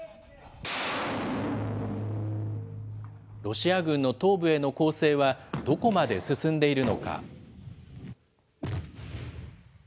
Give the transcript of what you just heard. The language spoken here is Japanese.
ロシア軍の東部への攻勢は、どこまで進んでいるのか。